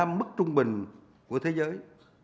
việt nam mức trung bình của thế giới